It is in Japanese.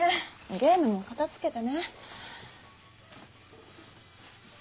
ゲームもかたづけてね。